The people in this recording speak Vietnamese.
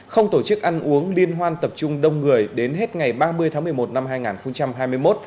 không tổ chức ăn uống liên hoan tập trung đông người đến hết ngày ba mươi tháng một mươi một năm hai nghìn hai mươi một